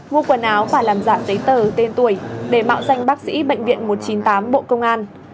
mua quần áo và làm giảm giấy tờ tên tuổi để mạo danh bác sĩ bệnh viện một trăm chín mươi tám bộ công an